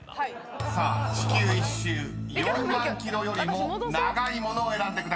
［さあ地球１周４万ｋｍよりも長いものを選んでください］